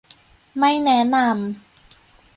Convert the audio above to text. ไม่แนะนำ